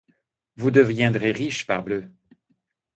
Vous deviendriez riche, parbleu!